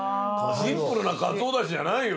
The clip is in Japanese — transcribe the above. シンプルな鰹だしじゃないよ